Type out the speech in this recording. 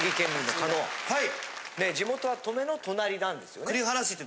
地元は登米の隣なんですよね？